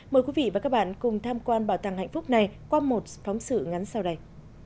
mời quý vị và các bạn cùng tham quan bảo tàng hạnh phúc này qua một phóng sự ngắn sau đây